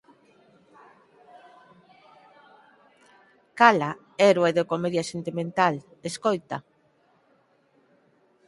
Cala, héroe de comedia sentimental, escoita.